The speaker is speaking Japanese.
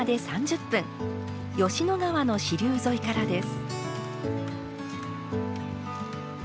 吉野川の支流沿いからです。